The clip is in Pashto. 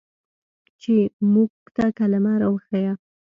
چې موږ ته کلمه راوښييه.